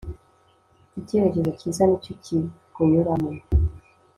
icyerekezo cyiza nicyo kikunyuramo